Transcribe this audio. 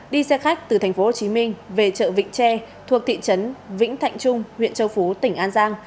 đi xe khách từ tp hcm về chợ vịnh tre thuộc thị trấn vĩnh thạnh trung huyện châu phú tỉnh an giang